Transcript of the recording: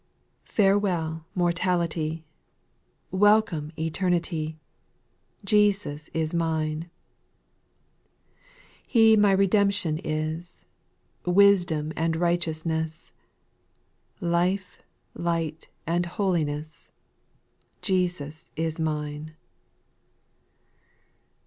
4. Farewell mortality 1 Welcome eternity I Jesus is mine. He my redemption is, Wisdom and righteousness, Life, light, and holiness : Jesus is mine.